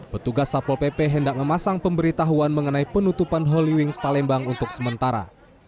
petugas satpol pp hendak memasang pemberitahuan mengenai penutupan holy wings palembang untuk sementara